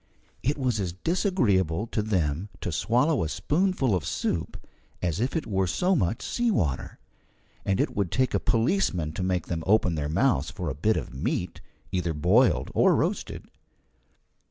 It was as disagreeable to them to swallow a spoonful of soup as if it were so much sea water, and it would take a policeman to make them open their mouths for a bit of meat, either boiled or roasted.